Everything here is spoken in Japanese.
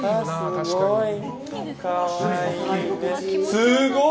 すごい！